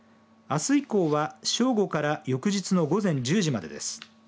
あす以降は正午から翌日の午前１０時までです。